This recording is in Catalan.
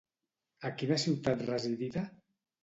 A quina ciutat residida?